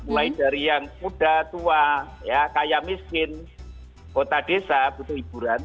mulai dari yang muda tua kaya miskin kota desa butuh hiburan